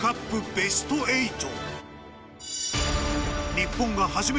ベスト８。